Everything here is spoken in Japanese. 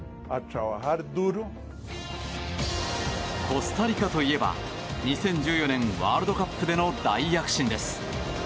コスタリカといえば２０１４年ワールドカップでの大躍進です。